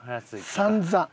散々。